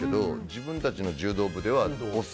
自分たちの柔道部では押忍！